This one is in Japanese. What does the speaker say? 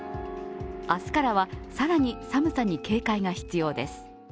明日からは更に寒さに警戒が必要です。